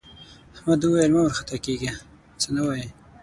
احمد وویل مه وارخطا کېږه څه نه وايي.